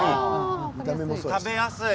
食べやすい。